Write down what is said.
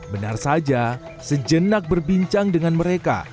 benar saja sejenak berbincang dengan mereka